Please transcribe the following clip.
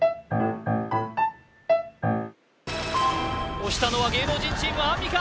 押したのは芸能人チームアンミカ